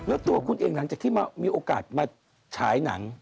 แล้วตัวคุณเองหลังจากที่มีโอกาสมาฉายหนัง